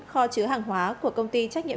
kho chứa hàng hóa của công ty trách nhiệm